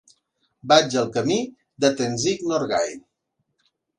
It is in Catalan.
Vaig al camí de Tenzing Norgay.